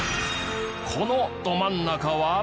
このど真ん中は。